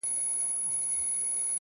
پوهه د انسان ستره شتمني ده!